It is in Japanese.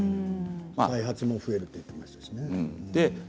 再発も増えると言っていましたね。